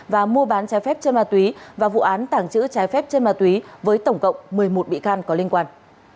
và mua bán trái phép chân ma túy và vụ án tảng chữ trái phép chân ma túy với tổng cộng một mươi một bị can có liên quan